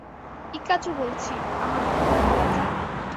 ইকা-চু বলছি, আমার মহামান্য রাজা।